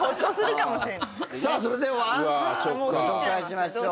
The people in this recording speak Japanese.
さあそれではご紹介しましょう。